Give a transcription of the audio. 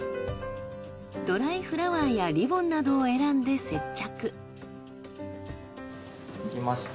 ドライフラワーやリボンなどを選んで接着。